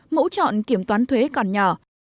mẫu chọn kiểm toán thuế còn nhỏ